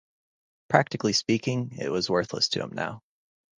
Practically speaking, it was worthless to him now.